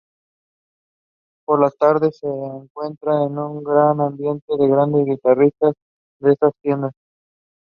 How effective and how brilliant he delivers his messages through this film.